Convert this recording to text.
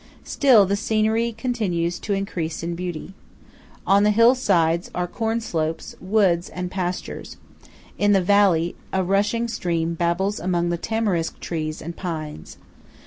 Still the scenery continues to increase in beauty. On the hillsides are corn slopes, woods, and pastures; in the valley, a rushing stream babbles among tamarisk trees and pines.